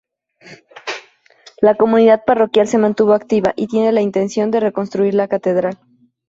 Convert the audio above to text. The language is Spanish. La comunidad parroquial se mantuvo activa, y tiene la intención de reconstruir la catedral.